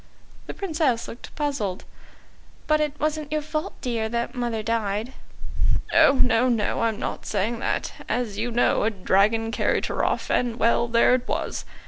The Princess looked puzzled. "But it wasn't your fault, dear, that mother died." "Oh, no, no, I'm not saying that. As you know, a dragon carried her off and well, there it was.